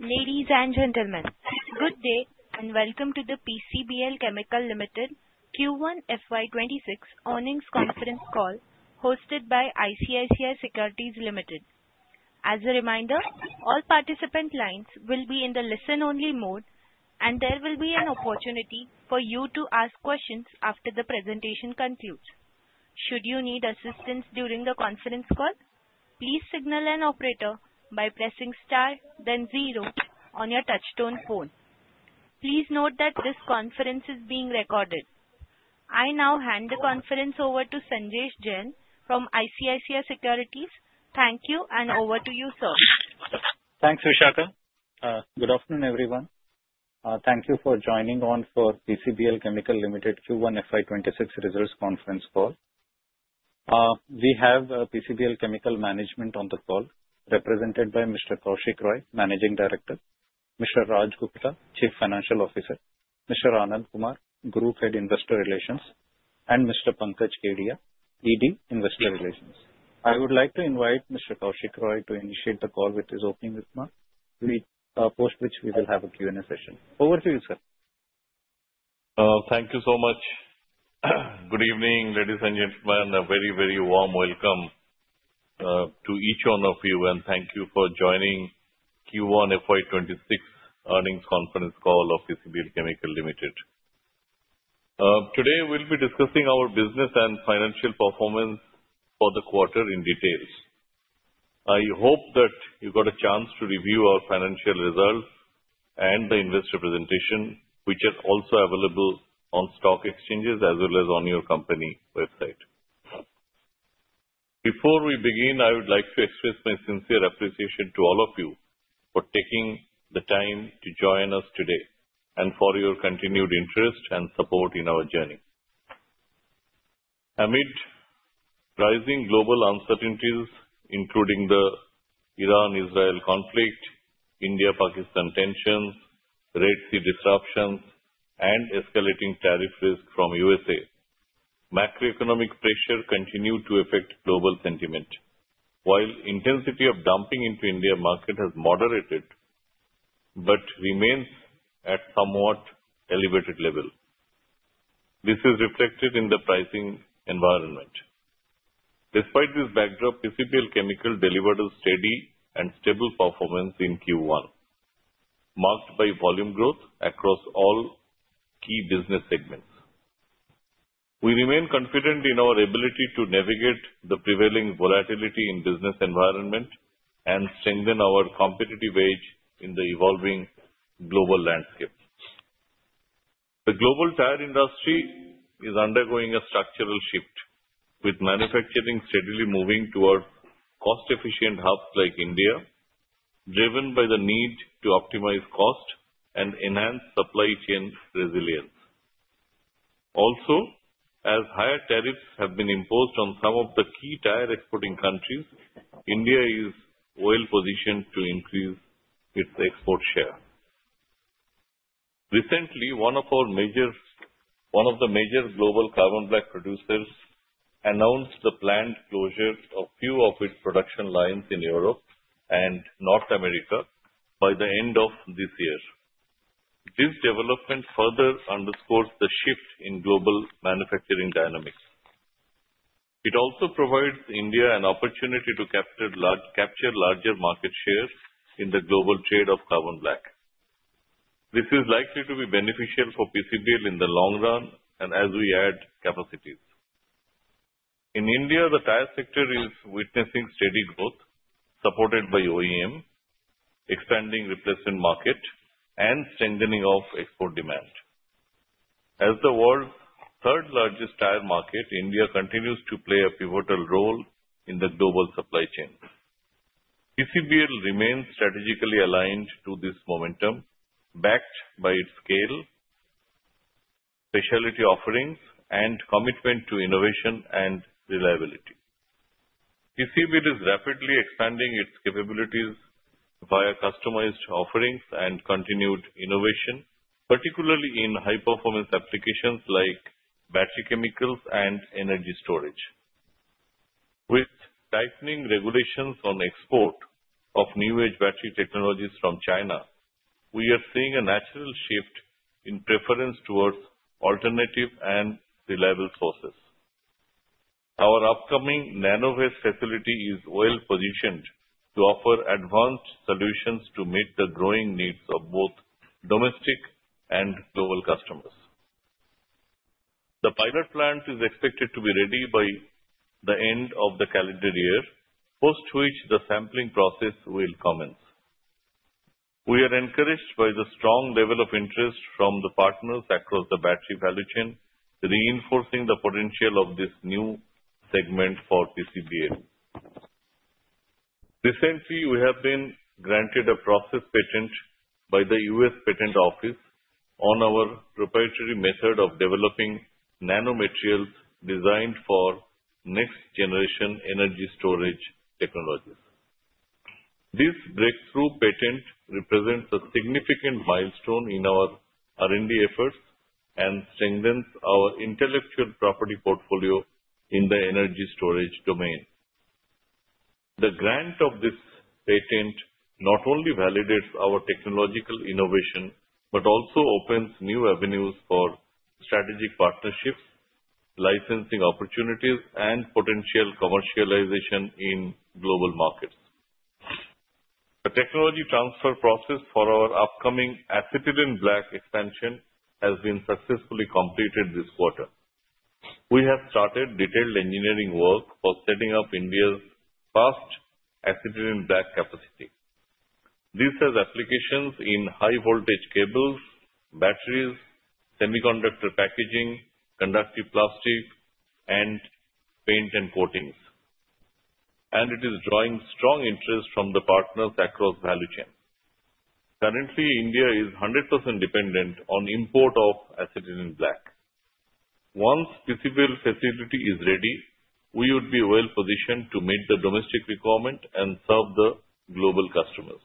Ladies and gentlemen, good day and welcome to the PCBL Limited Q1 FY 2026 Earnings Conference Call hosted by ICICI Securities Limited. As a reminder, all participant lines will be in the listen-only mode, and there will be an opportunity for you to ask questions after the presentation concludes. Should you need assistance during the conference call, please signal an operator by pressing star, then zero on your touch-tone phone. Please note that this conference is being recorded. I now hand the conference over to Sanjesh Jain from ICICI Securities. Thank you, and over to you, sir. Thanks, Vishakha. Good afternoon, everyone. Thank you for joining us for PCBL Chemical Limited Q1 FY 2026 Results Conference Call. We have PCBL Chemical management on the call, represented by Mr. Kaushik Roy, Managing Director, Mr. Raj Gupta, Chief Financial Officer, Mr. Anand Kumar, Group Head, Investor Relations, and Mr. Pankaj Kedia, ED, Investor Relations. I would like to invite Mr. Kaushik Roy to initiate the call with his opening remarks, after which we will have a Q&A session. Over to you, sir. Thank you so much. Good evening, ladies and gentlemen, and a very, very warm welcome to each one of you, and thank you for joining Q1 FY 2026 Earnings Conference Call of PCBL Limited. Today, we'll be discussing our business and financial performance for the quarter in detail. I hope that you got a chance to review our financial results and the investor presentation, which are also available on stock exchanges as well as on your company website. Before we begin, I would like to express my sincere appreciation to all of you for taking the time to join us today and for your continued interest and support in our journey. Amid rising global uncertainties, including the Iran-Israel conflict, India-Pakistan tensions, Red Sea disruptions, and escalating tariff risk from the U.S.A., macroeconomic pressure continues to affect global sentiment. While the intensity of dumping into the Indian market has moderated but remains at a somewhat elevated level. This is reflected in the pricing environment. Despite this backdrop, PCBL Chemical delivered a steady and stable performance in Q1, marked by volume growth across all key business segments. We remain confident in our ability to navigate the prevailing volatility in the business environment and strengthen our competitive edge in the evolving global landscape. The global tyre industry is undergoing a structural shift, with manufacturing steadily moving towards cost-efficient hubs like India, driven by the need to optimize costs and enhance supply chain resilience. Also, as higher tariffs have been imposed on some of the key tyre exporting countries, India is well-positioned to increase its export share. Recently, one of the major global carbon black producers announced the planned closure of a few of its production lines in Europe and North America by the end of this year. This development further underscores the shift in global manufacturing dynamics. It also provides India an opportunity to capture larger market shares in the global trade of carbon black. This is likely to be beneficial for PCBL in the long run as we add capacities. In India, the tyre sector is witnessing steady growth, supported by OEM, expanding replacement market, and strengthening of export demand. As the world's third-largest tyre market, India continues to play a pivotal role in the global supply chain. PCBL remains strategically aligned to this momentum, backed by its scale, specialty offerings, and commitment to innovation and reliability. PCBL is rapidly expanding its capabilities via customized offerings and continued innovation, particularly in high-performance applications like battery chemicals and energy storage. With tightening regulations on export of new-age battery technologies from China, we are seeing a natural shift in preference towards alternative and reliable sources. Our upcoming Nanovace facility is well-positioned to offer advanced solutions to meet the growing needs of both domestic and global customers. The pilot plant is expected to be ready by the end of the calendar year, post which the sampling process will commence. We are encouraged by the strong level of interest from the partners across the battery value chain, reinforcing the potential of this new segment for PCBL. Recently, we have been granted a process patent by the U.S. Patent Office on our proprietary method of developing nanomaterials designed for next-generation energy storage technologies. This breakthrough patent represents a significant milestone in our R&D efforts and strengthens our intellectual property portfolio in the energy storage domain. The grant of this patent not only validates our technological innovation but also opens new avenues for strategic partnerships, licensing opportunities, and potential commercialization in global markets. The technology transfer process for our upcoming Acetylene Black expansion has been successfully completed this quarter. We have started detailed engineering work for setting up India's first Acetylene Black capacity. This has applications in high-voltage cables, batteries, semiconductor packaging, conductive plastic, and paint and coatings, and it is drawing strong interest from the partners across value chains. Currently, India is 100% dependent on import of Acetylene Black. Once the PCBL facility is ready, we would be well-positioned to meet the domestic requirement and serve the global customers.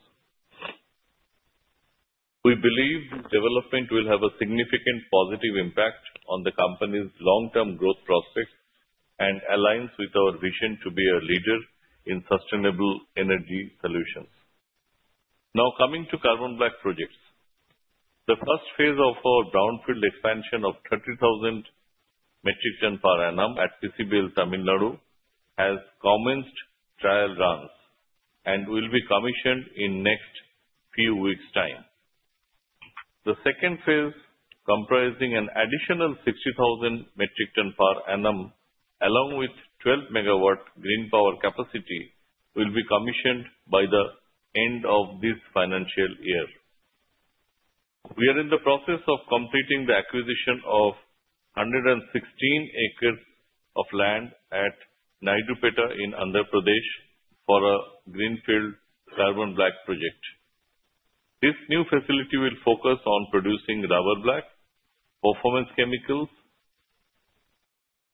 We believe this development will have a significant positive impact on the company's long-term growth prospects and aligns with our vision to be a leader in sustainable energy solutions. Now, coming to carbon black projects, the first phase of our brownfield expansion of 30,000 metric tons per annum at PCBL Tamil Nadu has commenced trial runs and will be commissioned in the next few weeks' time. The second phase, comprising an additional 60,000 metric tons per annum along with 12 MW green power capacity, will be commissioned by the end of this financial year. We are in the process of completing the acquisition of 116 acres of land at Naidupeta in Andhra Pradesh for a Greenfield Carbon Black project. This new facility will focus on producing Rubber Black Performance Chemicals.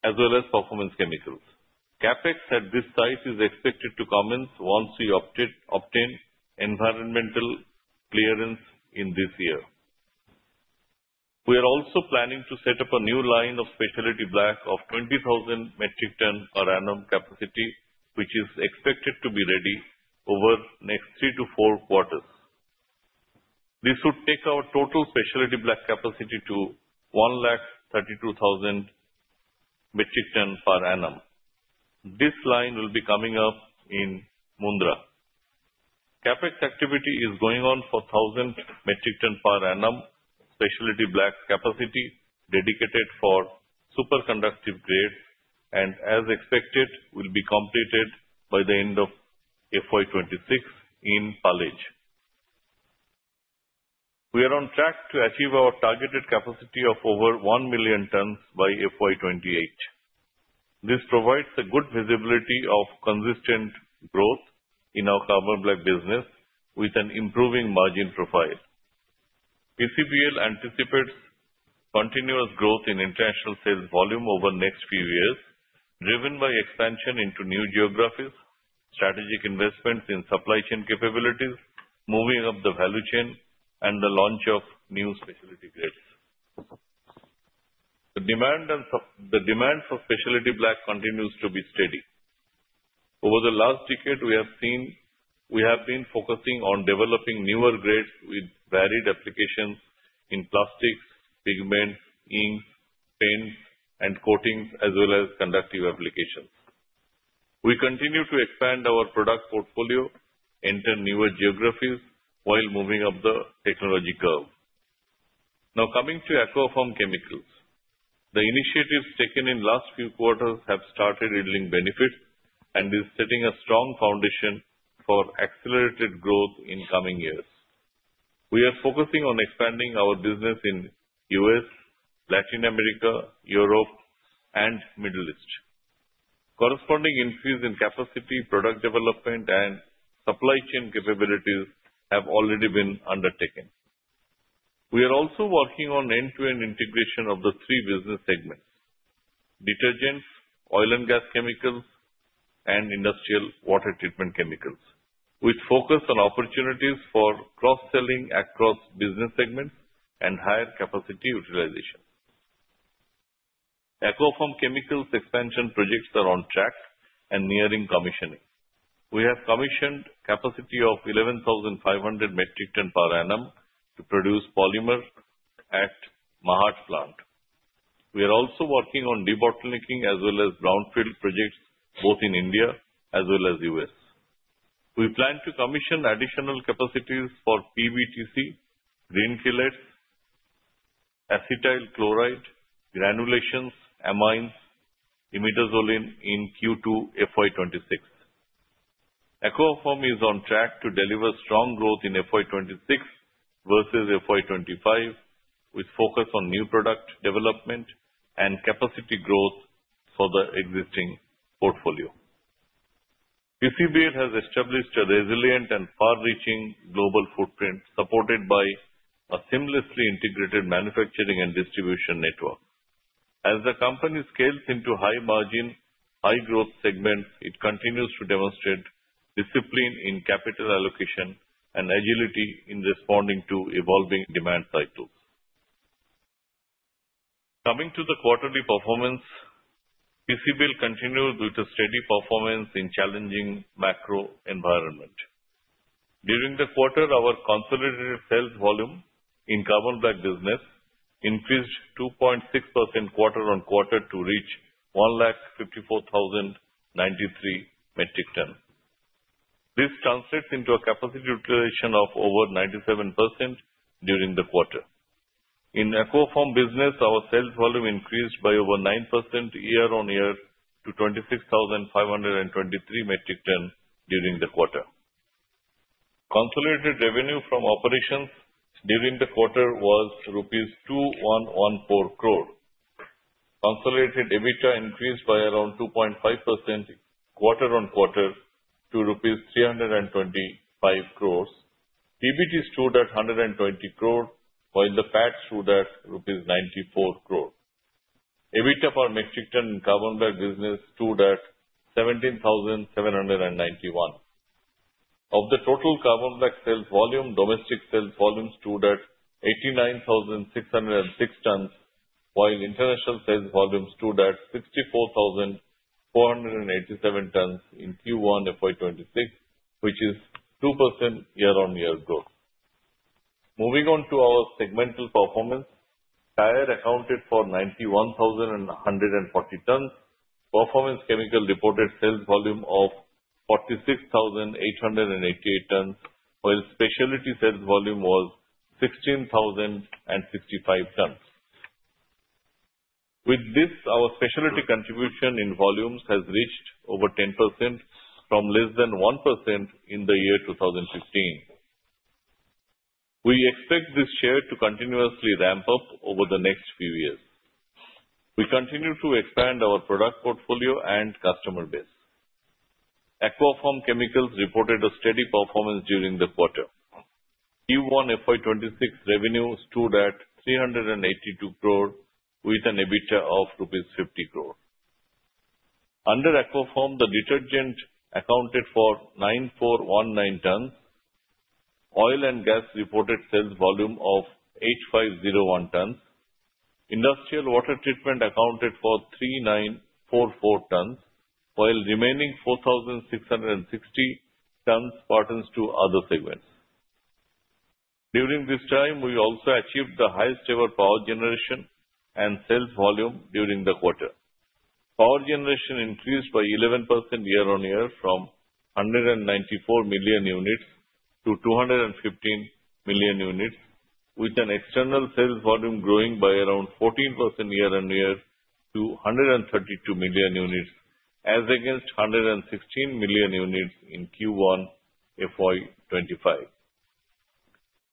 CapEx at this site is expected to commence once we obtain environmental clearance in this year. We are also planning to set up a new line of specialty black of 20,000 metric tons per annum capacity, which is expected to be ready over the next three to four quarters. This would take our total specialty black capacity to 132,000 metric tons per annum. This line will be coming up in Mundra. CapEx activity is going on for 1,000 metric tons per annum specialty black capacity dedicated for superconductive grade, and as expected, will be completed by the end of FY 2026 in Palej. We are on track to achieve our targeted capacity of over 1 million tons by FY 2028. This provides a good visibility of consistent growth in our Carbon Black business with an improving margin profile. PCBL anticipates continuous growth in international sales volume over the next few years, driven by expansion into new geographies, strategic investments in supply chain capabilities, moving up the value chain, and the launch of new specialty grades. The demand for specialty black continues to be steady. Over the last decade, we have been focusing on developing newer grades with varied applications in plastics, pigments, inks, paints, and coatings, as well as conductive applications. We continue to expand our product portfolio, enter newer geographies, while moving up the technology curve. Now, coming to Aquapharm Chemicals, the initiatives taken in the last few quarters have started yielding benefits and are setting a strong foundation for accelerated growth in the coming years. We are focusing on expanding our business in the U.S., Latin America, Europe, and the Middle East. Corresponding increase in capacity, product development, and supply chain capabilities have already been undertaken. We are also working on end-to-end integration of the three business segments: detergents, oil and gas chemicals, and industrial water treatment chemicals, with a focus on opportunities for cross-selling across business segments and higher capacity utilization. Aquapharm Chemicals expansion projects are on track and nearing commissioning. We have commissioned a capacity of 11,500 metric tons per annum to produce polymer at Mahad plant. We are also working on de-bottlenecking as well as brownfield projects both in India as well as the U.S. We plan to commission additional capacities for PBTC, green chelates, acetyl chloride, granulations, amines, imidazoline in Q2 FY 2026. Aquapharm is on track to deliver strong growth in FY 2026 versus FY 2025, with a focus on new product development and capacity growth for the existing portfolio. PCBL has established a resilient and far-reaching global footprint, supported by a seamlessly integrated manufacturing and distribution network. As the company scales into high-margin, high-growth segments, it continues to demonstrate discipline in capital allocation and agility in responding to evolving demand cycles. Coming to the quarterly performance, PCBL continues with a steady performance in challenging macro environment. During the quarter, our consolidated sales volume in Carbon Black business increased 2.6% quarter-on-quarter to reach 154,093 metric tons. This translates into a capacity utilization of over 97% during the quarter. In Aquapharm business, our sales volume increased by over 9% year-on-year to 26,523 metric tons during the quarter. Consolidated revenue from operations during the quarter was rupees 2,114 crore. Consolidated EBITDA increased by around 2.5% quarter-on-quarter to rupees 325 crore. EBITDA stood at 120 crore, while the PBT stood at rupees 94 crore. EBITDA per metric ton in carbon black business stood at 17,791. Of the total Carbon Black sales volume, domestic sales volume stood at 89,606 tons, while international sales volume stood at 64,487 tons in Q1 FY 2026, which is 2% year-on-year growth. Moving on to our segmental performance. Tyre accounted for 91,140 tons. Performance chemical reported sales volume of 46,888 tons, while specialty sales volume was 16,065 tons. With this, our specialty contribution in volumes has reached over 10% from less than 1% in the year 2015. We expect this share to continuously ramp up over the next few years. We continue to expand our product portfolio and customer base. Aquapharm Chemicals reported a steady performance during the quarter. Q1 FY26 revenue stood at 382 crore, with an EBITDA of rupees 50 crore. Under Aquapharm, the detergent accounted for 9,419 tons. Oil and gas reported sales volume of 8,501 tons. Industrial water treatment accounted for 3,944 tons, while remaining 4,660 tons pertained to other segments. During this time, we also achieved the highest-ever power generation and sales volume during the quarter. Power generation increased by 11% year-on-year from 194 million units to 215 million units, with an external sales volume growing by around 14% year-on-year to 132 million units, as against 116 million units in Q1 FY 2025.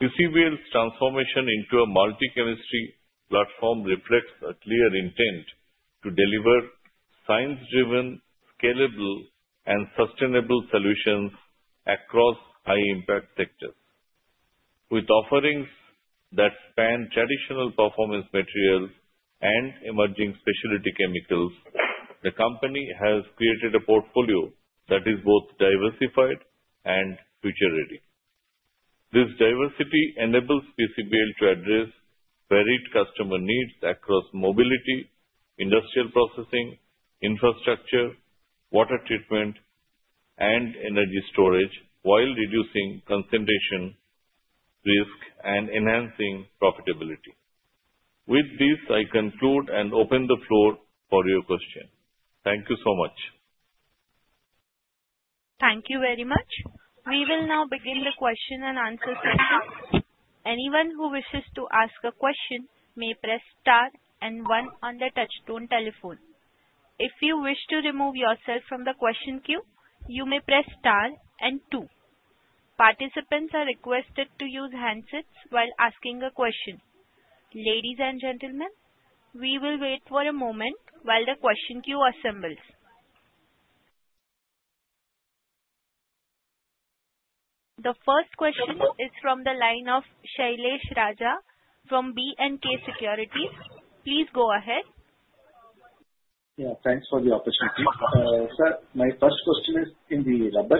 PCBL's transformation into a multi-chemistry platform reflects a clear intent to deliver science-driven, scalable, and sustainable solutions across high-impact sectors. With offerings that span traditional performance materials and emerging specialty chemicals, the company has created a portfolio that is both diversified and future-ready. This diversity enables PCBL to address varied customer needs across mobility, industrial processing, infrastructure, water treatment, and energy storage, while reducing concentration risk and enhancing profitability. With this, I conclude and open the floor for your question. Thank you so much. Thank you very much. We will now begin the question-and-answer session. Anyone who wishes to ask a question may press star and one on their touch-tone telephone. If you wish to remove yourself from the question queue, you may press star and two. Participants are requested to use handsets while asking a question. Ladies and gentlemen, we will wait for a moment while the question queue assembles. The first question is from the line of Sailesh Raja from B&K Securities. Please go ahead. Yeah, thanks for the opportunity. Sir, my first question is in the Rubber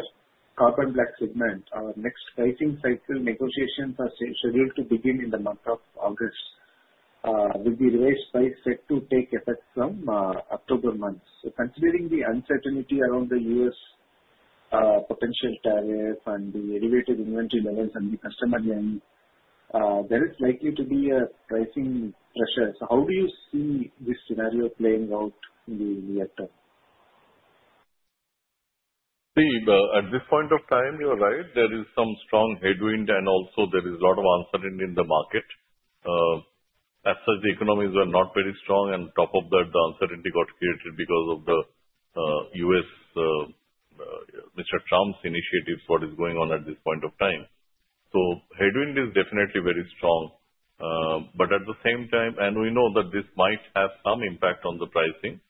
Carbon Black segment. Our next pricing cycle negotiations are scheduled to begin in the month of August, with the reverse price set to take effect from October month. So considering the uncertainty around the U.S. potential tariff and the elevated inventory levels and the customer demand, there is likely to be a pricing pressure. So how do you see this scenario playing out in the near term? See, at this point of time, you're right. There is some strong headwind, and also there is a lot of uncertainty in the market. As such, the economies were not very strong, and on top of that, the uncertainty got created because of the U.S. Mr. Trump's initiatives, what is going on at this point of time. So headwind is definitely very strong. But at the same time, and we know that this might have some impact on the pricing,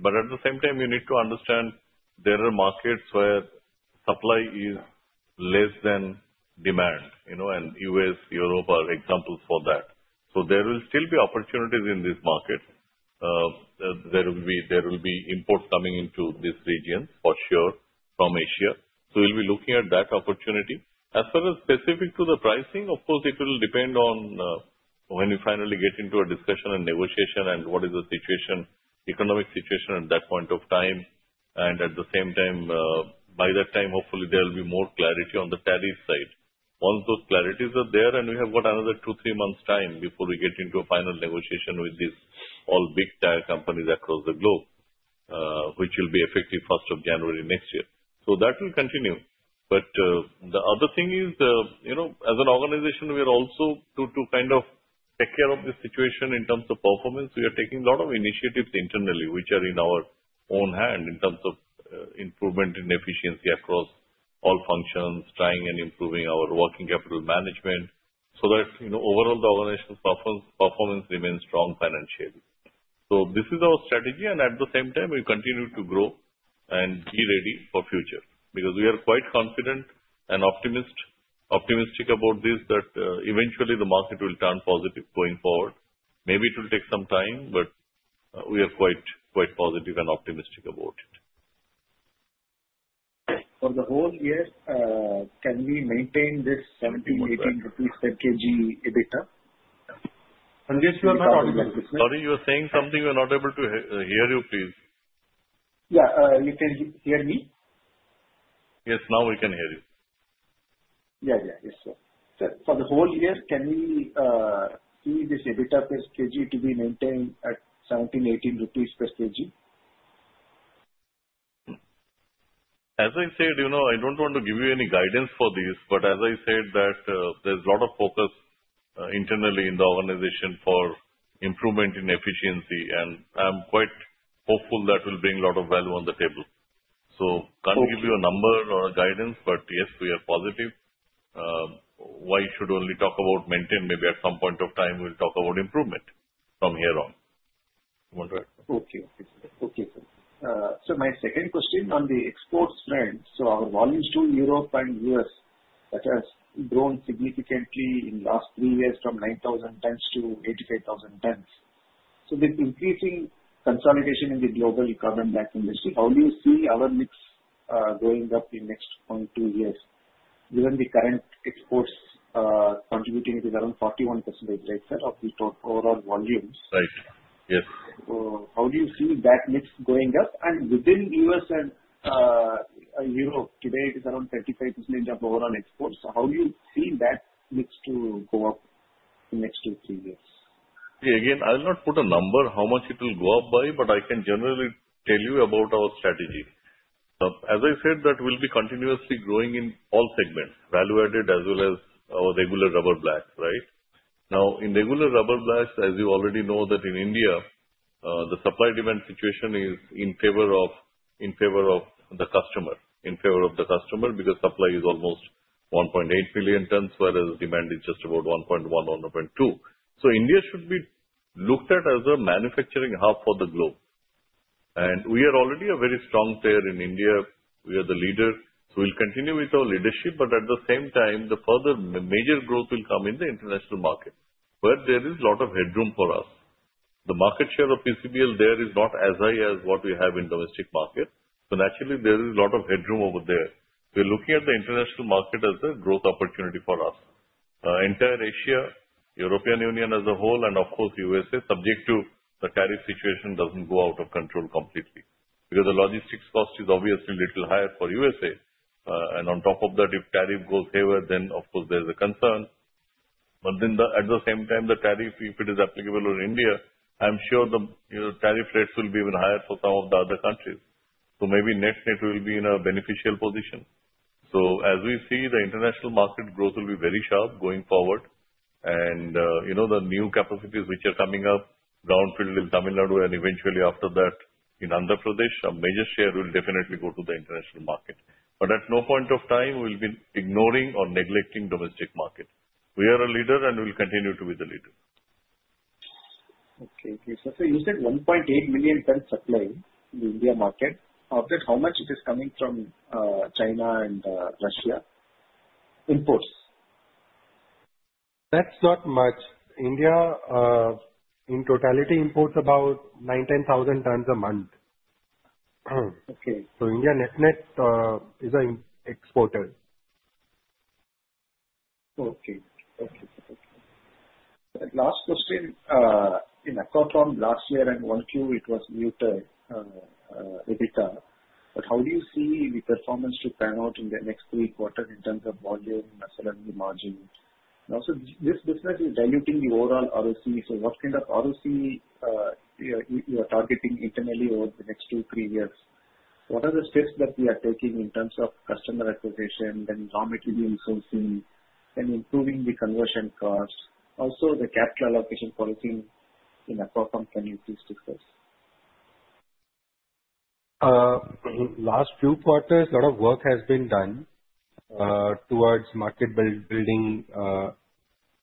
but at the same time, you need to understand there are markets where supply is less than demand, and U.S., Europe are examples for that. So there will still be opportunities in this market. There will be imports coming into this region, for sure, from Asia. So we'll be looking at that opportunity. As far as specific to the pricing, of course, it will depend on when we finally get into a discussion and negotiation and what is the situation, economic situation at that point of time. And at the same time, by that time, hopefully, there will be more clarity on the tariff side. Once those clarities are there, and we have got another two-three months' time before we get into a final negotiation with these all big tyre companies across the globe, which will be effective 1st of January next year. So that will continue. But the other thing is, as an organization, we are also to kind of take care of the situation in terms of performance. We are taking a lot of initiatives internally, which are in our own hands in terms of improvement in efficiency across all functions, trying and improving our working capital management so that overall the organization's performance remains strong financially. So this is our strategy, and at the same time, we continue to grow and be ready for the future because we are quite confident and optimistic about this that eventually the market will turn positive going forward. Maybe it will take some time, but we are quite positive and optimistic about it. For the whole year, can we maintain this 17-18 rupees per kg EBITDA? Sorry, you were saying something. We were not able to hear you, please. Yeah, you can hear me? Yes, now we can hear you. Yeah, yeah. Yes, sir. For the whole year, can we see this EBITDA per kg to be maintained at 17-18 rupees per kg? As I said, I don't want to give you any guidance for this, but as I said, there's a lot of focus internally in the organization for improvement in efficiency, and I'm quite hopeful that will bring a lot of value on the table. So can't give you a number or a guidance, but yes, we are positive. Why should we only talk about maintain? Maybe at some point of time, we'll talk about improvement from here on. Okay. Sir, my second question on the exports trend. So our volumes to Europe and U.S. that has grown significantly in the last three years from 9,000 tons to 85,000 tons. So with increasing consolidation in the global carbon black industry, how do you see our mix going up in the next one to two years given the current exports contributing to around 41% of the overall volumes? Right. Yes. So how do you see that mix going up? And within US and Europe, today, it is around 35% of overall exports. So how do you see that mix to go up in the next two to three years? Yeah, again, I'll not put a number how much it will go up by, but I can generally tell you about our strategy. As I said, that will be continuously growing in all segments, value-added as well as our regular Rubber Black, right? Now, in regular Rubber Blacks, as you already know, that in India, the supply-demand situation is in favor of the customer, in favor of the customer because supply is almost 1.8 million tons, whereas demand is just about 1.1 or 1.2. So India should be looked at as a manufacturing hub for the globe, and we are already a very strong player in India. We are the leader, so we'll continue with our leadership, but at the same time, the further major growth will come in the international market, where there is a lot of headroom for us. The market share of PCBL there is not as high as what we have in the domestic market, so naturally, there is a lot of headroom over there. We're looking at the international market as a growth opportunity for us. Entire Asia, European Union as a whole, and of course, U.S.A., subject to the tariff situation doesn't go out of control completely because the logistics cost is obviously a little higher for U.S.A. And on top of that, if tariff goes haywire, then of course, there's a concern. But then at the same time, the tariff, if it is applicable in India, I'm sure the tariff rates will be even higher for some of the other countries. So maybe net-net will be in a beneficial position. So as we see, the international market growth will be very sharp going forward. And the new capacities which are coming up, greenfield in Tamil Nadu, and eventually after that in Andhra Pradesh, a major share will definitely go to the international market. But at no point of time, we'll be ignoring or neglecting the domestic market. We are a leader, and we'll continue to be the leader. Okay. Okay. Sir, so you said 1.8 million tons supply in the India market. Of that, how much is coming from China and Russia? Imports? That's not much. India, in totality, imports about 9,000, 10,000 tons a month. So India net-net is an exporter. Okay. Okay. Last question. In Aquapharm last year, I'm going to—it was muted EBITDA. But how do you see the performance to pan out in the next three quarters in terms of volume, seller margin? Now, so this business is diluting the overall ROC. So what kind of ROC you are targeting internally over the next two, three years? What are the steps that we are taking in terms of customer acquisition, then raw material sourcing, and improving the conversion cost? Also, the capital allocation policy in acquisitions can you please discuss? Last few quarters, a lot of work has been done towards market building,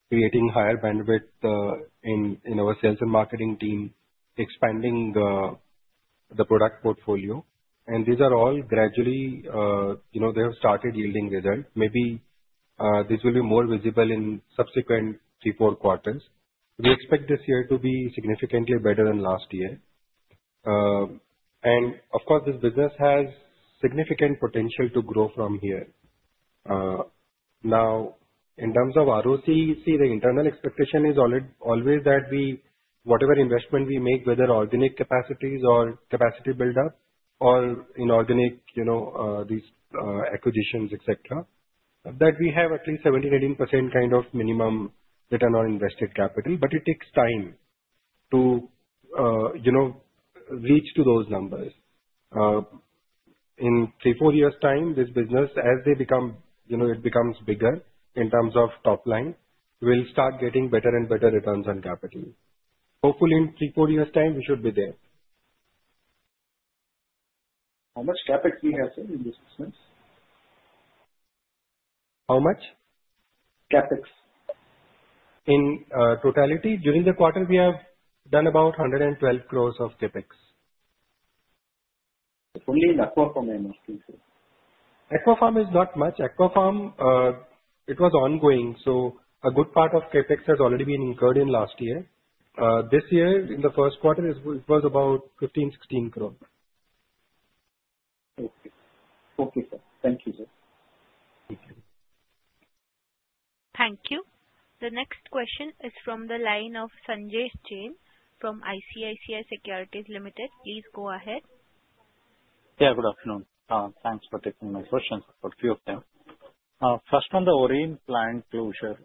creating higher bandwidth in our sales and marketing team, expanding the product portfolio, and these are all gradually. They have started yielding results. Maybe this will be more visible in subsequent three, four quarters. We expect this year to be significantly better than last year, and of course, this business has significant potential to grow from here. Now, in terms of ROC, see, the internal expectation is always that whatever investment we make, whether organic capacities or capacity build-up or inorganic acquisitions, etc., that we have at least 17%-18% kind of minimum return on invested capital. But it takes time to reach to those numbers. In three, four years' time, this business, as it becomes bigger in terms of top line, will start getting better and better returns on capital. Hopefully, in three, four years' time, we should be there. How much CapEx do you have in this business? How much? CapEx. In totality, during the quarter, we have done about 112 crore of CapEx. Only in Aquapharm, I'm asking. Aquapharm is not much. Aquapharm, it was ongoing. So a good part of CapEx has already been incurred in last year. This year, in the first quarter, it was about 15-16 crore. Okay. Okay, sir. Thank you, sir. Thank you. Thank you. The next question is from the line of Sanjesh Jain from ICICI Securities Limited. Please go ahead. Yeah, good afternoon. Thanks for taking my questions. I've got a few of them. First, on the Orion plant closure,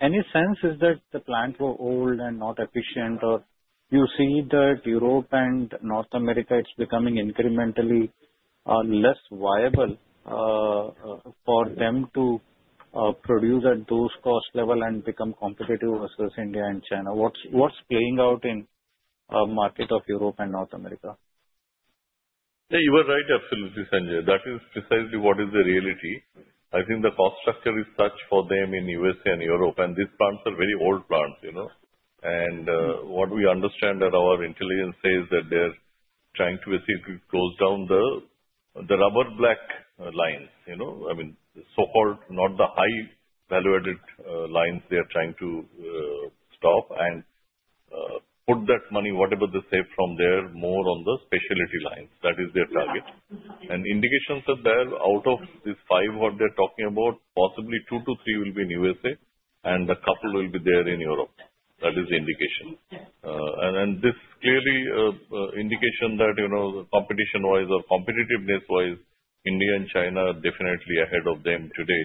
any sense is that the plant was old and not efficient, or you see that Europe and North America is becoming incrementally less viable for them to produce at those cost levels and become competitive versus India and China? What's playing out in the market of Europe and North America? Yeah, you were right, absolutely, Sanjesh. That is precisely what is the reality. I think the cost structure is such for them in U.S.A. and Europe, and these plants are very old plants. And what we understand, and our intelligence says that they're trying to basically close down the Rubber Black lines. I mean, so-called not the high value-added lines they are trying to stop and put that money, whatever they save from there, more on the specialty lines. That is their target. And indications are there out of these five what they're talking about, possibly two to three will be in U.S.A., and a couple will be there in Europe. That is the indication. And this clear indication that competition-wise or competitiveness-wise, India and China are definitely ahead of them today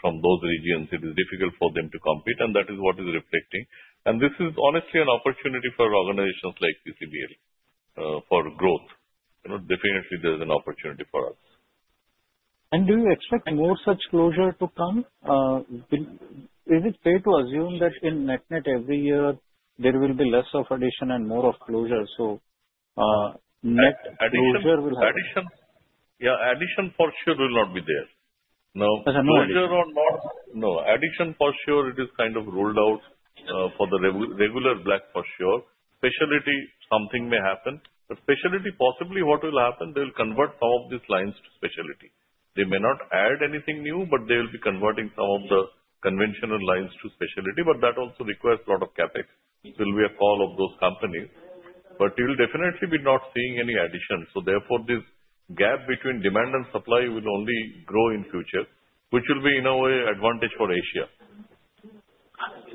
from those regions. It is difficult for them to compete, and that is what is reflecting. And this is honestly an opportunity for organizations like PCBL for growth. Definitely, there's an opportunity for us. And do you expect more such closures to come? Is it fair to assume that in net-net, every year, there will be less of addition and more of closures? So net closure will have. Addition? Yeah, addition for sure will not be there. No. As a knowledge? No, addition for sure, it is kind of ruled out for the regular black for sure. Specialty, something may happen. But specialty, possibly what will happen, they'll convert some of these lines to specialty. They may not add anything new, but they will be converting some of the conventional lines to specialty. But that also requires a lot of CAPEX. It will be a call of those companies. But you'll definitely be not seeing any addition. So therefore, this gap between demand and supply will only grow in the future, which will be in a way an advantage for Asia.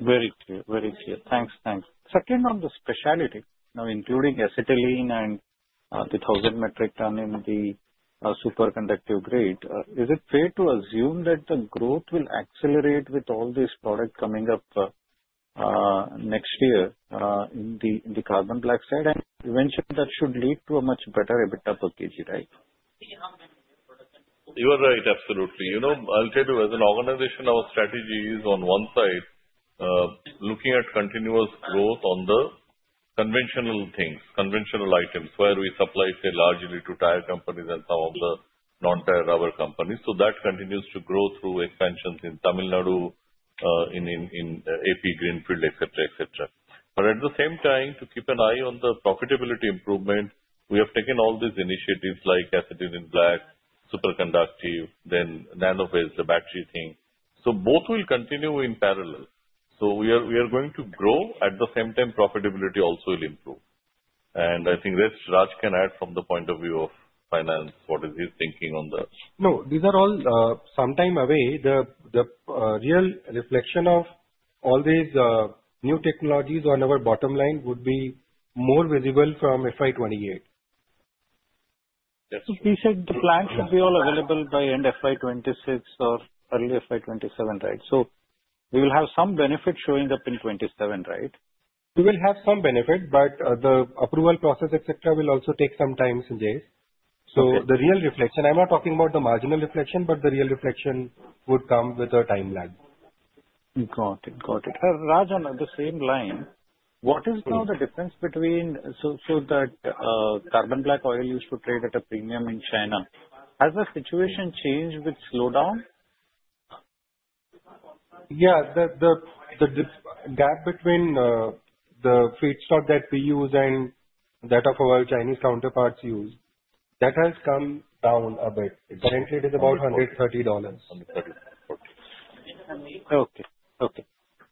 Very clear. Very clear. Thanks. Thanks. Second, on the specialty, now including acetylene and the 1,000 metric ton in the superconductive grade, is it fair to assume that the growth will accelerate with all these products coming up next year in the carbon black side? And eventually, that should lead to a much better EBITDA per kg, right? You are right, absolutely. I'll tell you, as an organization, our strategy is on one side, looking at continuous growth on the conventional things, conventional items, where we supply, say, largely to tire companies and some of the non-tyre rubber companies. So that continues to grow through expansions in Tamil Nadu, in AP greenfield, etc., etc. But at the same time, to keep an eye on the profitability improvement, we have taken all these initiatives like Acetylene Black, superconductive, then Nanovace, the battery thing. So both will continue in parallel. So we are going to grow. At the same time, profitability also will improve. And I think Raj can add from the point of view of finance, what is his thinking on the. No, these are all sometime away. The real reflection of all these new technologies on our bottom line would be more visible from FY 2028. So you said the plants will be all available by end FY 2026 or early FY 2027, right? So we will have some benefit showing up in 27, right? We will have some benefit, but the approval process, etc., will also take some time, Sanjay. So the real reflection, I'm not talking about the marginal reflection, but the real reflection would come with a time lag. Got it. Got it. Raj, on the same line, what is now the difference between so that carbon black oil used to trade at a premium in China, has the situation changed with slowdown? Yeah, the gap between the feedstock that we use and that of our Chinese counterparts use, that has come down a bit. Currently, it is about $130. Okay. Okay.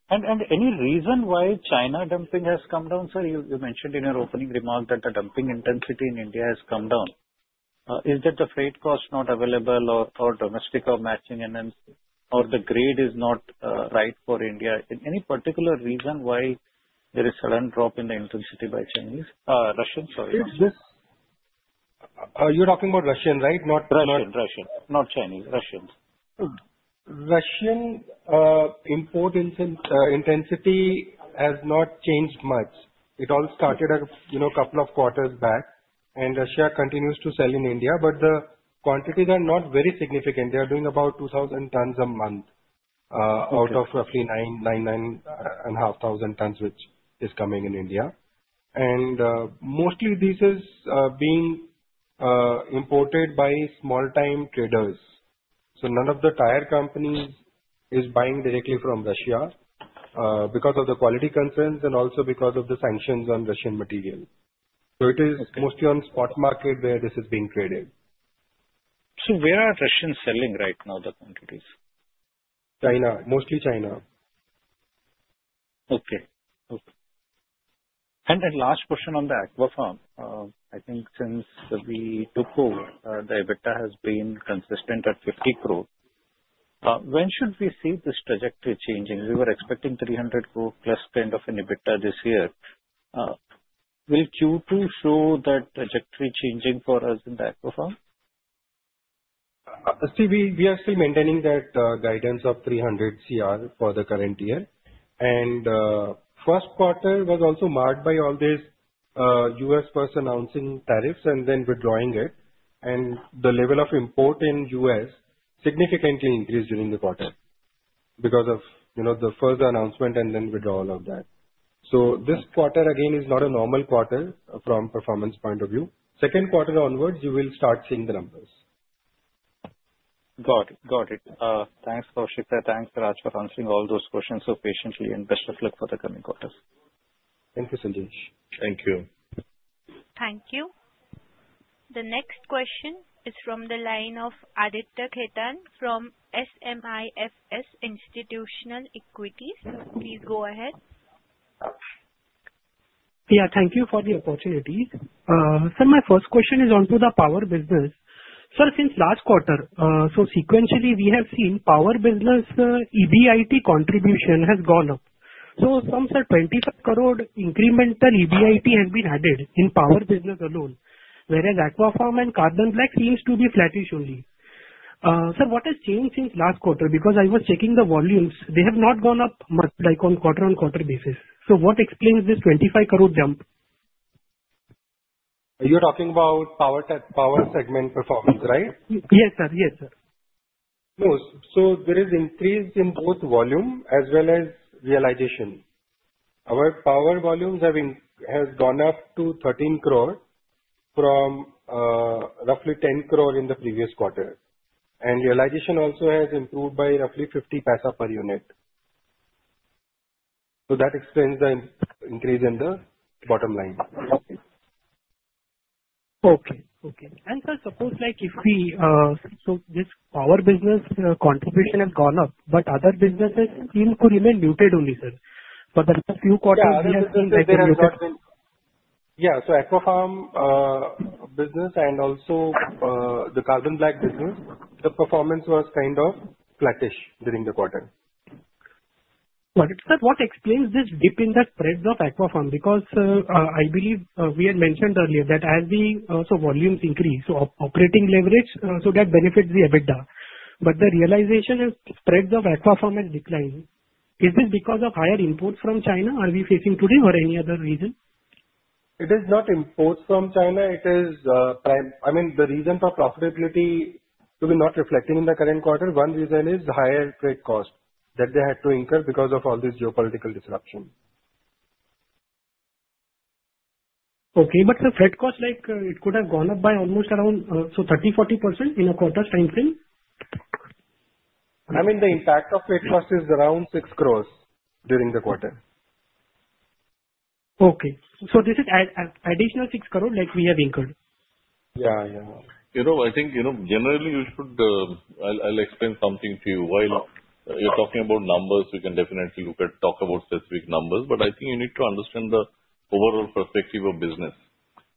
And any reason why China dumping has come down? Sir, you mentioned in your opening remark that the dumping intensity in India has come down. Is that the freight cost not available or domestic or matching, and then or the grade is not right for India? Any particular reason why there is a sudden drop in the intensity by Chinese? Sorry, Russian. You're talking about Russian, right? Not Chinese. Russian import intensity has not changed much. It all started a couple of quarters back, and Russia continues to sell in India, but the quantities are not very significant. They are doing about 2,000 tons a month out of roughly 9,000 and a half thousand tons which is coming in India. And mostly, this is being imported by small-time traders. So none of the tyre companies is buying directly from Russia because of the quality concerns and also because of the sanctions on Russian material. It is mostly on spot market where this is being traded. So where are Russians selling right now the quantities? China. Mostly China. Okay. Okay. And then last question on the Aquapharm. I think since we took over, the EBITDA has been consistent at 50 crore. When should we see this trajectory changing? We were expecting 300 crore plus kind of an EBITDA this year. Will Q2 show that trajectory changing for us in the Aquapharm? See, we are still maintaining that guidance of 300 crore for the current year. And first quarter was also marked by all these U.S. first announcing tariffs and then withdrawing it. And the level of import in U.S. significantly increased during the quarter because of the first announcement and then withdrawal of that. So this quarter, again, is not a normal quarter from performance point of view. Second quarter onwards, you will start seeing the numbers. Got it. Got it. Thanks, Kaushik. Thanks, Raj, for answering all those questions so patiently and best of luck for the coming quarters. Thank you, Sanjesh. Thank you. Thank you. The next question is from the line of Aditya Khetan from SMIFS Institutional Equities. Please go ahead. Yeah, thank you for the opportunity. Sir, my first question is onto the power business. Sir, since last quarter, so sequentially, we have seen power business EBIT contribution has gone up. So some said 25 crore incremental EBIT has been added in power business alone, whereas Aquapharm and carbon black seems to be flattish only. Sir, what has changed since last quarter? Because I was checking the volumes, they have not gone up much like on quarter-on-quarter basis. So what explains this 25 crore jump? You're talking about power segment performance, right? Yes, sir. Yes, sir. No, so there is increase in both volume as well as realization. Our power volumes have gone up to 13 crore from roughly 10 crore in the previous quarter, and realization also has improved by roughly 50 paisa per unit. So that explains the increase in the bottom line. Okay. Okay, and sir, suppose if we so this power business contribution has gone up, but other businesses seem to remain muted only, sir. For the last few quarters, we have been very muted. Yeah, so Aquapharm business and also the carbon black business, the performance was kind of flattish during the quarter. Got it. Sir, what explains this dip in the spreads of Aquapharm? Because I believe we had mentioned earlier that as the volumes increase, so operating leverage, so that benefits the EBITDA, but the realization is spreads of Aquapharm has declined. Is this because of higher imports from China? Are we facing today or any other reason? It is not imports from China. It is, I mean, the reason for profitability to be not reflecting in the current quarter, one reason is higher freight cost that they had to incur because of all these geopolitical disruptions. Okay. But the freight cost, it could have gone up by almost around, so 30%-40% in a quarter's time frame? I mean, the impact of freight cost is around 6 crore during the quarter. Okay. So this is additional 6 crore like we have incurred? Yeah. Yeah. I think generally, you should. I'll explain something to you. While you're talking about numbers, we can definitely talk about specific numbers. But I think you need to understand the overall perspective of business.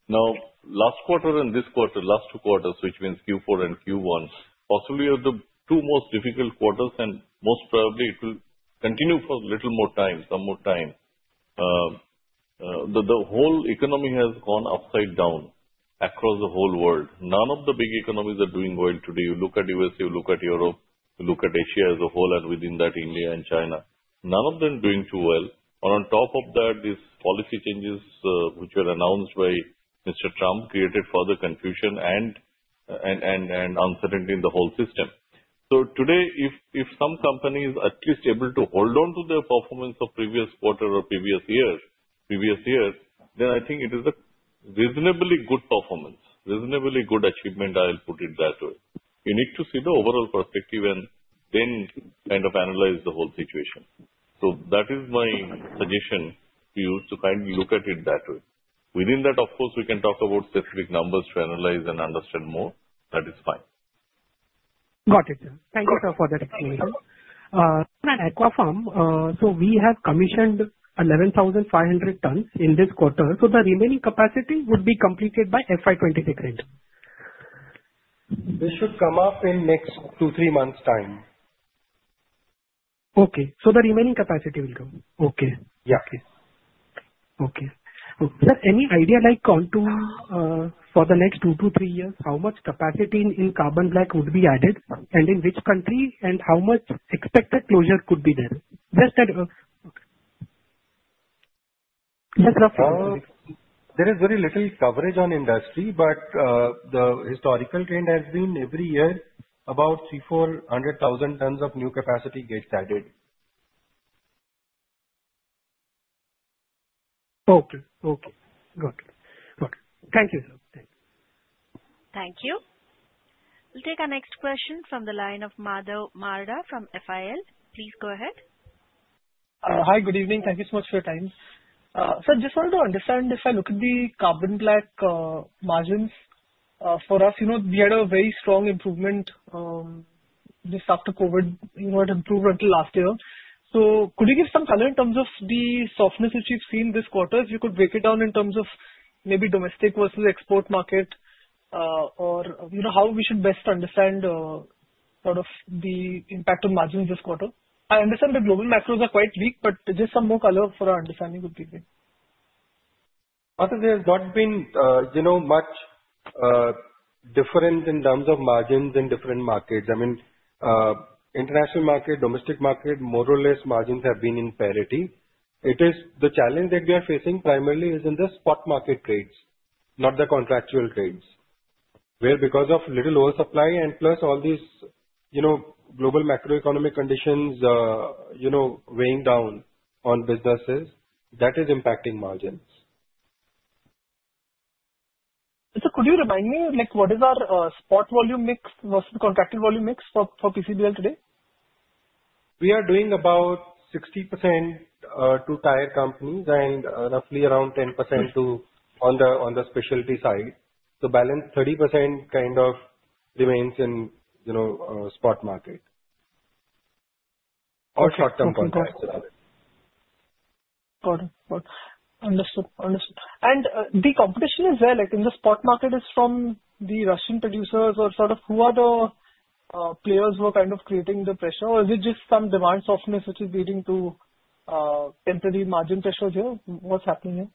Now, last quarter and this quarter, last two quarters, which means Q4 and Q1, possibly are the two most difficult quarters, and most probably, it will continue for a little more time, some more time. The whole economy has gone upside down across the whole world. None of the big economies are doing well today. You look at U.S., you look at Europe, you look at Asia as a whole, and within that, India and China. None of them doing too well, and on top of that, these policy changes which were announced by Mr. Trump created further confusion and uncertainty in the whole system, so today, if some companies are at least able to hold on to their performance of previous quarter or previous year, then I think it is a reasonably good performance, reasonably good achievement. I'll put it that way. You need to see the overall perspective and then kind of analyze the whole situation. So that is my suggestion to you to kind of look at it that way. Within that, of course, we can talk about specific numbers to analyze and understand more. That is fine. Got it. Thank you, sir, for that explanation. Sir, on Acetylene, so we have commissioned 11,500 tons in this quarter. So the remaining capacity would be completed by FY 2026, right? This should come up in next two, three months' time. Okay. So the remaining capacity will come. Okay. Yeah. Okay. Okay. Sir, any idea like for the next two, three years, how much capacity in carbon black would be added, and in which country, and how much expected closure could be there? Just that. Just roughly. There is very little coverage on industry, but the historical trend has been every year about 3,400,000 tons of new capacity gets added. Okay. Okay. Got it. Got it. Thank you, sir. Thank you. Thank you. We'll take our next question from the line of Madhav Marda from FIL. Please go ahead. Hi. Good evening. Thank you so much for your time. Sir, just wanted to understand if I look at the carbon black margins for us, we had a very strong improvement just after COVID. It improved until last year. So could you give some color in terms of the softness which you've seen this quarter? If you could break it down in terms of maybe domestic versus export market or how we should best understand sort of the impact of margins this quarter. I understand the global macros are quite weak, but just some more color for our understanding would be good. But there's not been much difference in terms of margins in different markets. I mean, international market, domestic market, more or less, margins have been in parity. The challenge that we are facing primarily is in the spot market trades, not the contractual trades, where because of little oil supply and plus all these global macroeconomic conditions weighing down on businesses, that is impacting margins. Sir, could you remind me what is our spot volume mix versus the contractual volume mix for PCBL today? We are doing about 60% to tyre companies and roughly around 10% on the specialty side. The balance, 30%, kind of remains in spot market or short-term contractual market. Got it. Got it. Understood. Understood. And the competition is there. In the spot market, it's from the Russian producers or sort of who are the players who are kind of creating the pressure? Or is it just some demand softness which is leading to temporary margin pressures here? What's happening here?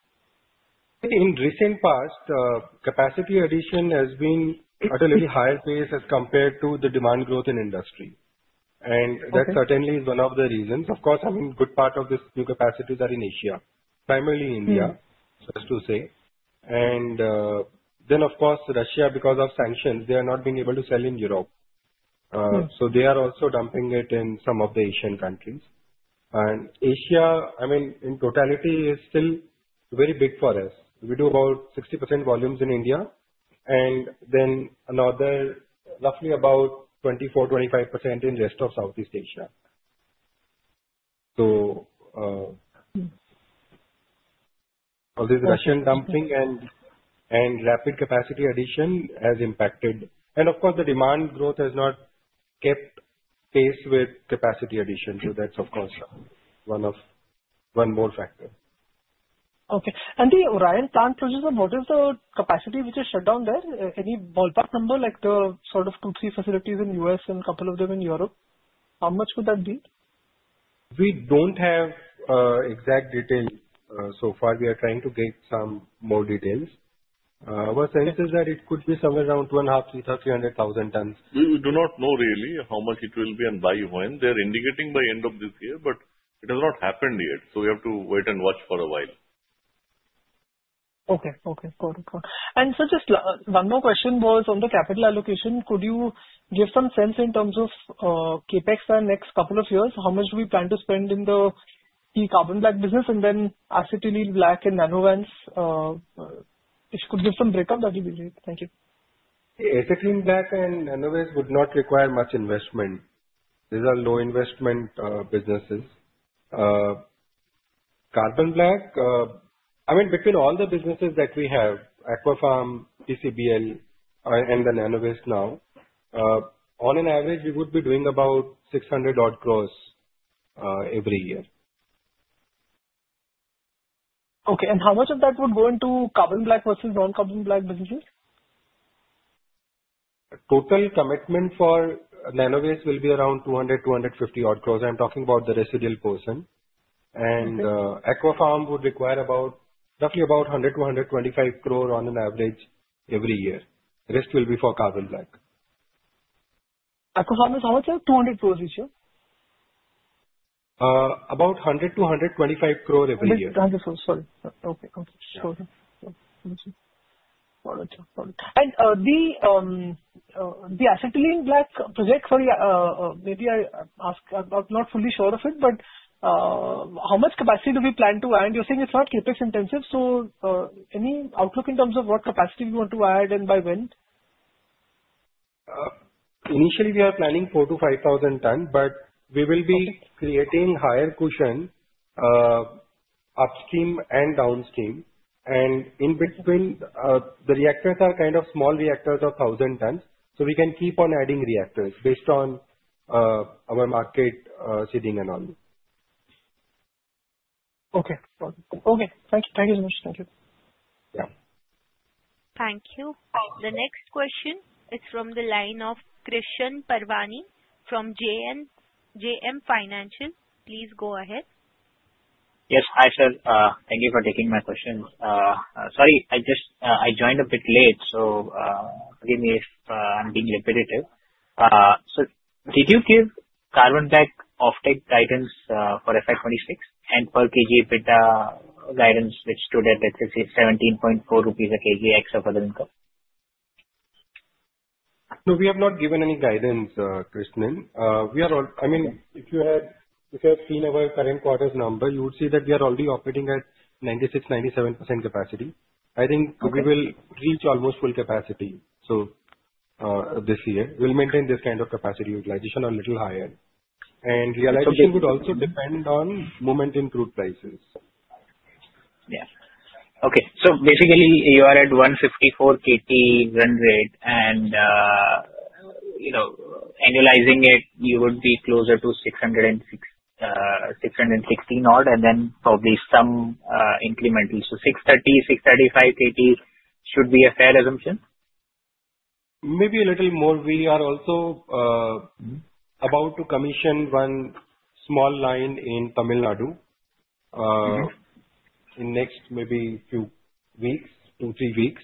In recent past, capacity addition has been at a little higher pace as compared to the demand growth in industry. And that certainly is one of the reasons. Of course, I mean, a good part of these new capacities are in Asia, primarily India, just to say. And then, of course, Russia, because of sanctions, they are not being able to sell in Europe. So they are also dumping it in some of the Asian countries. And Asia, I mean, in totality, is still very big for us. We do about 60% volumes in India, and then another roughly about 24-25% in the rest of Southeast Asia. So all this Russian dumping and rapid capacity addition has impacted. And of course, the demand growth has not kept pace with capacity addition. So that's, of course, one more factor. Okay. And the Orion plant closure, what is the capacity which is shut down there? Any ballpark number, like the sort of two, three facilities in the U.S. and a couple of them in Europe? How much could that be? We don't have exact details so far. We are trying to get some more details. Our sense is that it could be somewhere around 250,000-300,000 tons. We do not know really how much it will be and by when. They're indicating by end of this year, but it has not happened yet. So we have to wait and watch for a while. Okay. Okay. Got it. Got it. And sir, just one more question was on the capital allocation. Could you give some sense in terms of CapEx the next couple of years, how much do we plan to spend in the carbon black business and then Acetylene Black and Nanovace? If you could give some breakup, that would be great. Thank you. Acetylene Black and Nanovace would not require much investment. These are low-investment businesses. Carbon Black, I mean, between all the businesses that we have, Aquapharm, PCBL, and the Nanovace now, on an average, we would be doing about 600 crore every year. Okay. And how much of that would go into carbon black versus non-carbon black businesses? Total commitment for Nanovace will be around 200-250 crore. I'm talking about the residual portion. And Aquapharm would require roughly about 100-125 crore on an average every year. The rest will be for carbon black. Aquapharm is how much? INR 200 crore each year? About 100 crore to 125 crore every year. INR 100 crore. Sorry. Okay. Okay. Got it. Got it. Got it. And the Acetylene Black project, sorry, maybe I'm not fully sure of it, but how much capacity do we plan to add? You're saying it's not CapEx-intensive. So any outlook in terms of what capacity we want to add and by when? Initially, we are planning 4,000 to 5,000 tons, but we will be creating higher cushion upstream and downstream. And in between, the reactors are kind of small reactors of 1,000 tons. So we can keep on adding reactors based on our market situation and all. Okay. Got it. Okay. Thank you. Thank you so much. Thank you. The next question is from the line of Krishan Parwani from JM Financial. Please go ahead. Yes. Hi, sir. Thank you for taking my questions. Sorry, I joined a bit late, so forgive me if I'm being repetitive. Sir, did you give carbon black off-take guidance for FY 2026 and per kg EBITDA guidance, which stood at INR 17.4 a kg except for the income? No, we have not given any guidance, Krishan. I mean, if you had seen our current quarter's number, you would see that we are already operating at 96%-97% capacity. I think we will reach almost full capacity this year. We'll maintain this kind of capacity utilization a little higher. And realization would also depend on momentum crude prices. Yeah. Okay. So basically, you are at 154 KT rendered, and annualizing it, you would be closer to 660-odd and then probably some incremental. So 630-635 KT should be a fair assumption? Maybe a little more. We are also about to commission one small line in Tamil Nadu in the next maybe few weeks, two or three weeks.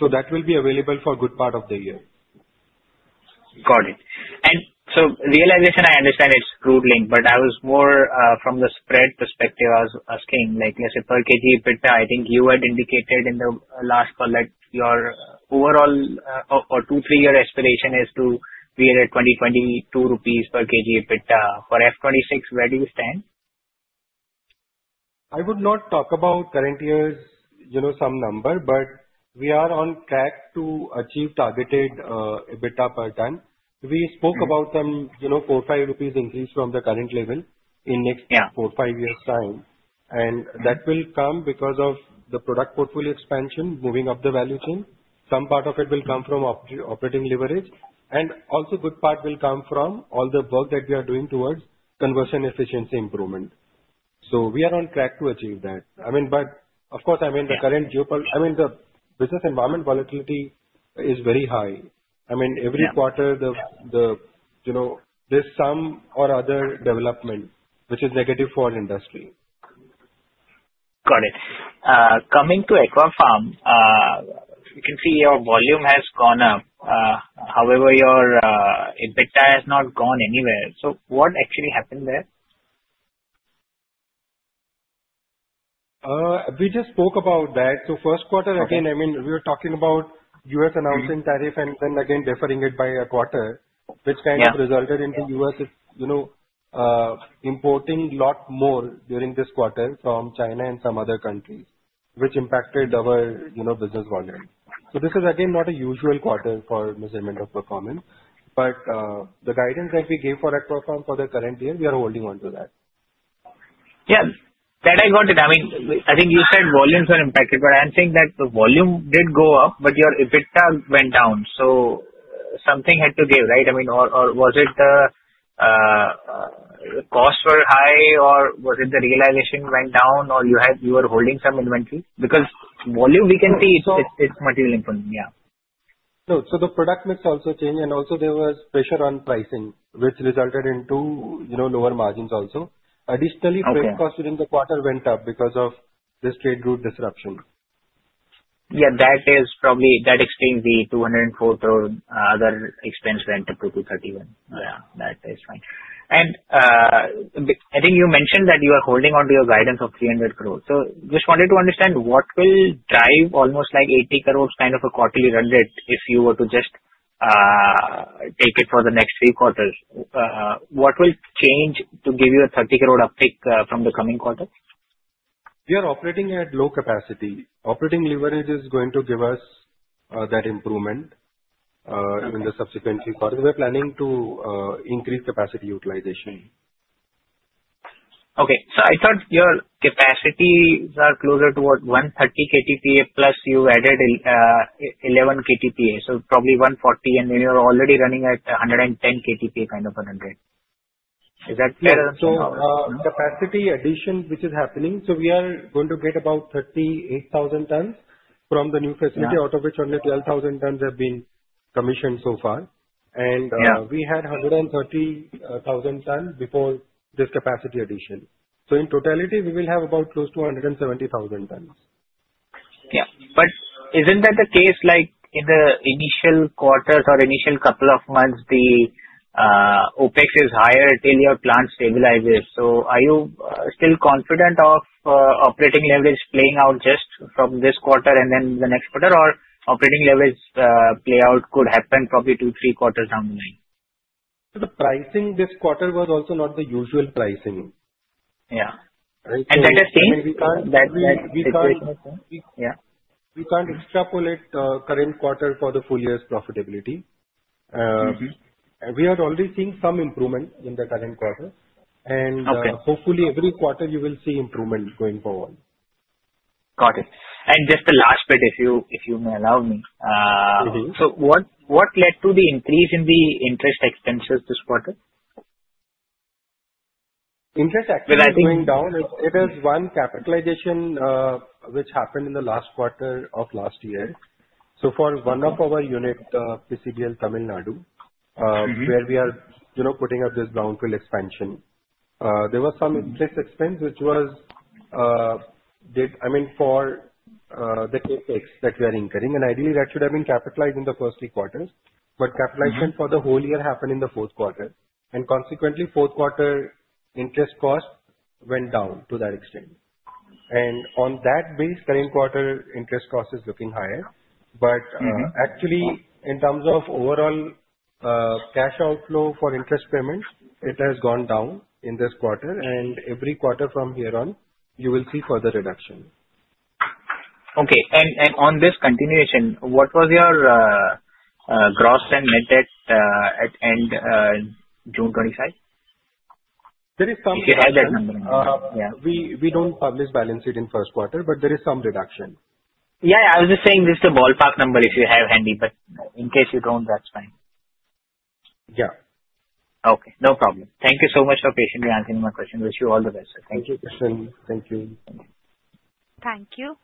So that will be available for a good part of the year. Got it. So realization, I understand it's crude-linked, but I was more from the spread perspective asking, let's say, per kg EBITDA. I think you had indicated in the last call that your overall two- or three-year aspiration is to be at 20-22 rupees per kg EBITDA. For FY 2026, where do you stand? I would not talk about current year's some number, but we are on track to achieve targeted EBITDA per ton. We spoke about some 4-5 rupees increase from the current level in the next four or five years' time. That will come because of the product portfolio expansion, moving up the value chain. Some part of it will come from operating leverage. And also, a good part will come from all the work that we are doing towards conversion efficiency improvement. So we are on track to achieve that. I mean, but of course, I mean, the current I mean, the business environment volatility is very high. I mean, every quarter, there's some or other development which is negative for industry. Got it. Coming to Aquapharm, you can see your volume has gone up. However, your EBITDA has not gone anywhere. So what actually happened there? We just spoke about that. So first quarter, again, I mean, we were talking about U.S. announcing tariff and then again deferring it by a quarter, which kind of resulted in the U.S. importing a lot more during this quarter from China and some other countries, which impacted our business volume. So this is, again, not a usual quarter for measurement of performance. But the guidance that we gave for PCBL for the current year, we are holding on to that. Yeah. That, I got it. I mean, I think you said volumes were impacted, but I'm saying that the volume did go up, but your EBITDA went down. So something had to give, right? I mean, or was it the costs were high, or was it the realization went down, or you were holding some inventory? Because volume, we can see it's material input. Yeah. So the product mix also changed, and also there was pressure on pricing, which resulted in lower margins also. Additionally, trade costs during the quarter went up because of this trade route disruption. Yeah. That is probably the extreme, the 204 crore other expense went up to 231. Yeah. That is fine. And I think you mentioned that you are holding on to your guidance of 300 crore. So just wanted to understand what will drive almost like 80 crore kind of a quarterly run rate if you were to just take it for the next three quarters. What will change to give you a 30 crore uptick from the coming quarter? We are operating at low capacity. Operating leverage is going to give us that improvement in the subsequent three quarters. We are planning to increase capacity utilization. Okay. So I thought your capacities are closer toward 130 KTPA plus you added 11 KTPA. So probably 140, and then you're already running at 110 KTPA kind of a run rate. Is that fair? So capacity addition, which is happening, so we are going to get about 38,000 tons from the new facility, out of which only 12,000 tons have been commissioned so far. And we had 130,000 tons before this capacity addition. So in totality, we will have about close to 170,000 tons. Yeah. But isn't that the case in the initial quarters or initial couple of months? The OpEx is higher till your plant stabilizes. So are you still confident of operating leverage playing out just from this quarter and then the next quarter, or operating leverage playout could happen probably two, three quarters down the line? The pricing this quarter was also not the usual pricing. Yeah. And that has changed? We can't extrapolate current quarter for the full year's profitability. We are already seeing some improvement in the current quarter. And hopefully, every quarter, you will see improvement going forward. Got it. And just the last bit, if you may allow me. So what led to the increase in the interest expenses this quarter? Interest expenses going down? It is one capitalization which happened in the last quarter of last year. So for one of our units, PCBL Tamil Nadu, where we are putting up this brownfield expansion, there was some interest expense, which was, I mean, for the CapEx that we are incurring, and ideally, that should have been capitalized in the first three quarters, but capitalization for the whole year happened in the fourth quarter, and consequently, fourth quarter interest cost went down to that extent, and on that base, current quarter interest cost is looking higher, but actually, in terms of overall cash outflow for interest payments, it has gone down in this quarter, and every quarter from here on, you will see further reduction. Okay, and on this continuation, what was your gross and net debt at end June 2025? There is some reduction. Yeah. We don't publish balance sheet in first quarter, but there is some reduction. Yeah. I was just saying this is a ballpark number if you have handy, but in case you don't, that's fine. Yeah. Okay. No problem. Thank you so much for patiently answering my question. Wish you all the best. Thank you. Thank you. Thank you.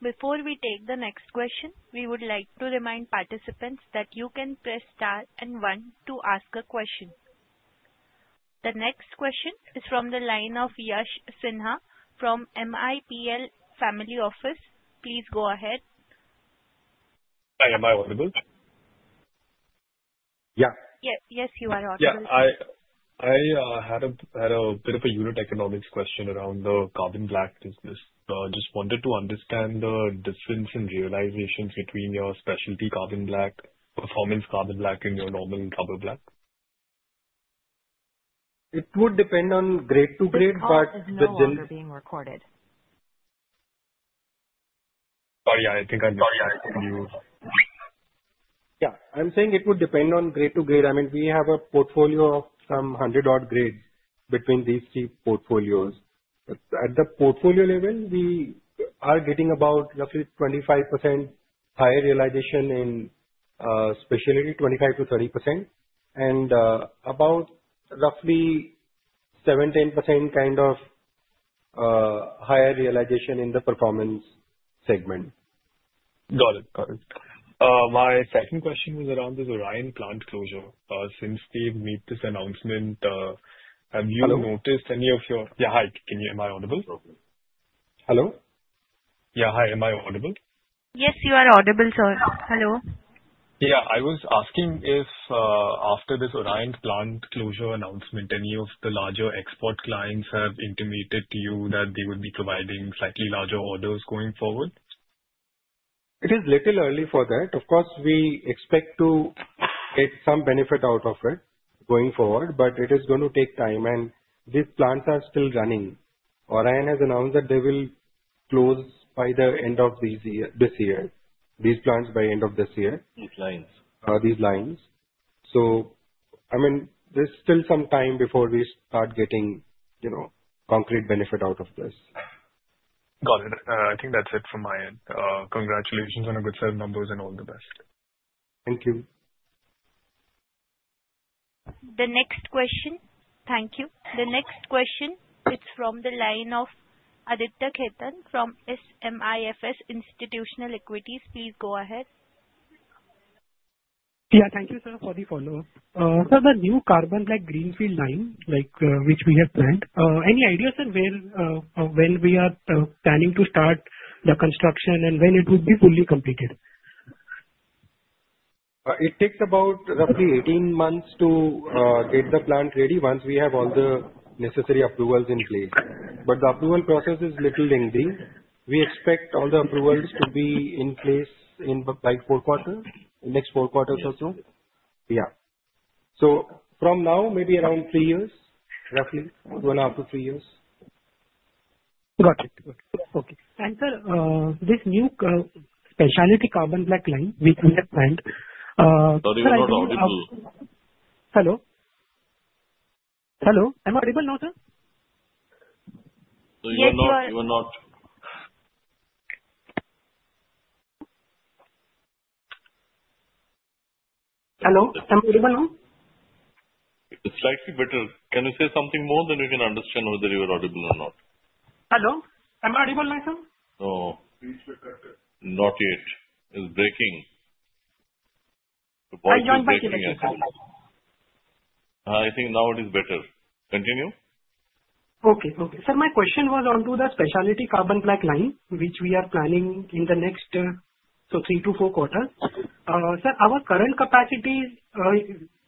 Before we take the next question, we would like to remind participants that you can press star and one to ask a question. The next question is from the line of Yash Sinha from MIPL Family Office. Please go ahead. I am audible? Yes, you are audible. Yeah. I had a bit of a unit economics question around the carbon black business. I just wanted to understand the difference in realization between your specialty carbon black, performance carbon black, and your normal carbon black. It would depend on grade to grade, but. This call is now being recorded. Sorry, I think I missed you. Yeah. I'm saying it would depend on grade to grade. I mean, we have a portfolio of some 100-odd grades between these three portfolios. At the portfolio level, we are getting about roughly 25% higher realization in specialty, 25%-30%, and about roughly 7%-10% kind of higher realization in the performance segment. Got it. Got it. My second question was around the Orion plant closure. Since they've made this announcement, have you noticed any of your. Yeah. Hi. Am I audible? Hello? Yeah. Hi. Am I audible? Yes, you are audible, sir. Hello. Yeah. I was asking if after this Orion plant closure announcement, any of the larger export clients have intimated to you that they would be providing slightly larger orders going forward? It is a little early for that. Of course, we expect to get some benefit out of it going forward, but it is going to take time, and these plants are still running. Orion has announced that they will close by the end of this year, these lines by end of this year. So I mean, there's still some time before we start getting concrete benefit out of this. Got it. I think that's it from my end. Congratulations on a good set of numbers and all the best. Thank you. The next question. Thank you. The next question is from the line of Aditya Khetan from SMIFS Institutional Equities. Please go ahead. Yeah. Thank you, sir, for the follow-up. For the new carbon black greenfield line, which we have planned, any ideas on when we are planning to start the construction and when it would be fully completed? It takes about roughly 18 months to get the plant ready once we have all the necessary approvals in place. But the approval process is a little lingering. We expect all the approvals to be in place in the next four quarters or so. Yeah. So from now, maybe around three years, roughly two and a half to three years. Got it. Okay. And sir, this new specialty carbon black line we have planned... Sorry, we're not audible. Hello? Hello? Am I audible now, sir? So you are not... Hello? Am I audible now? It's slightly better. Can you say something more than you can understand whether you are audible or not? Hello? Am I audible now, sir? No. Not yet. It's breaking. I joined by a second. I think now it is better. Continue. Okay. Okay. Sir, my question was onto the specialty carbon black line, which we are planning in the next three to four quarters. Sir, our current capacity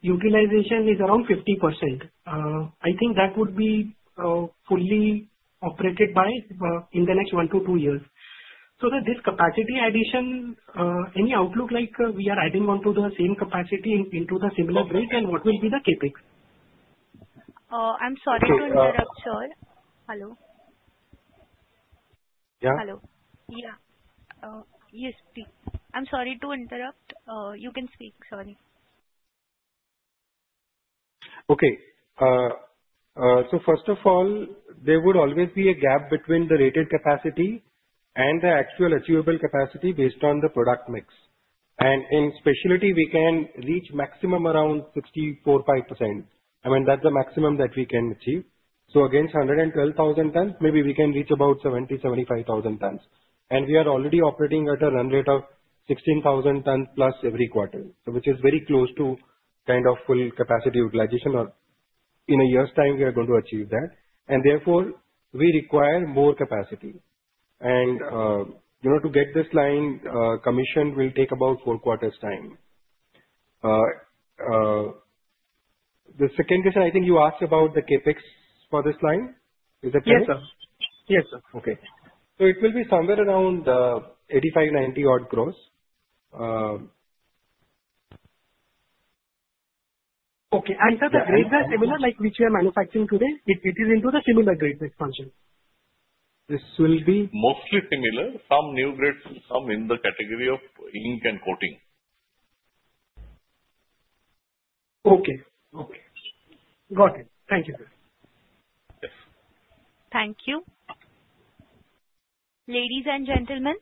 utilization is around 50%. I think that would be fully operated by in the next one to two years. So this capacity addition, any outlook like we are adding onto the same capacity into the similar grade, and what will be the CapEx? I'm sorry to interrupt, sir. Hello? Yeah? Hello? Yeah. Yes, please. I'm sorry to interrupt. You can speak. Sorry. Okay. So first of all, there would always be a gap between the rated capacity and the actual achievable capacity based on the product mix. And in specialty, we can reach maximum around 64.5%. I mean, that's the maximum that we can achieve. So against 112,000 tons, maybe we can reach about 70-75,000 tons. And we are already operating at a run rate of 16,000 tons plus every quarter, which is very close to kind of full capacity utilization. In a year's time, we are going to achieve that. And therefore, we require more capacity. And to get this line commissioned, it will take about four quarters' time. The second question, I think you asked about the CapEx for this line. Is it? Yes, sir. Yes, sir. Okay. So it will be somewhere around 85-90 crores. Okay. And sir, the grades are similar like which we are manufacturing today? It is into the similar grade expansion? This will be... Mostly similar. Some new grades, some in the category of ink and coating. Okay. Okay. Got it. Thank you, sir. Yes. Thank you. Ladies and gentlemen,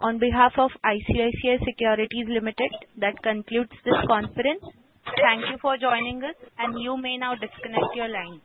on behalf of ICICI Securities Limited, that concludes this conference. Thank you for joining us, and you may now disconnect your line.